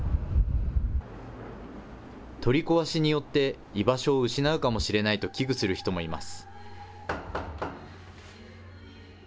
取り壊しによって居場所を失うかもしれないと危惧する人もいます。